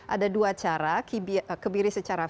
ada dua cara kebiri secara